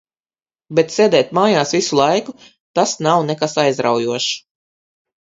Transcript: Bet sēdēt mājās visu laiku, tas nav nekas aizraujošs.